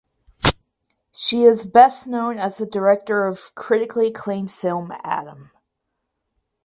She is best known as the director of critically acclaimed film "Adam".